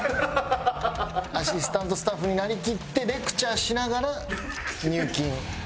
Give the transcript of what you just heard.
アシスタントスタッフになりきってレクチャーしながら入金。